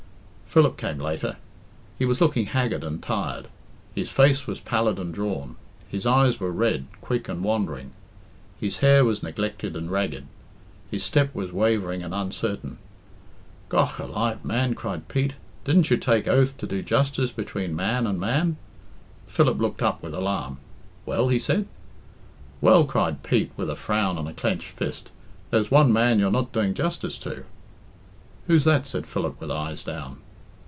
Philip came later. He was looking haggard and tired; his face was pallid and drawn; his eyes were red, quick, and wandering; his hair was neglected and ragged; his step was wavering and uncertain. "Gough alive, man," cried Pete, "didn't you take oath to do justice between man and man?" Philip looked up with alarm. "Well?" he said. "Well," cried Pete, with a frown and a clenched fist, "there's one man you're not doing justice to." "Who's that?" said Philip with eyes down.